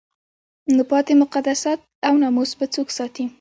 نو پاتې مقدسات او ناموس به څوک ساتي؟